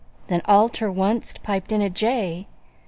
Then all ter onct piped in a jay.